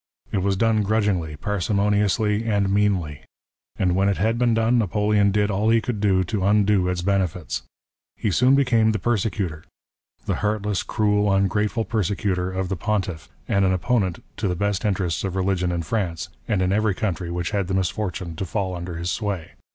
It was done grudgingly, parsi moniously, and meanly. And when it had been done, Napoleon did all he could do to undo its benefits. He soon became the persecutor — the heartless, cruel, ungrateful persecutor of the Pontiff, and an opponent to the best interests of religion in France, and in every country which had the misfortune to fall under his sway.